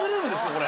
これ。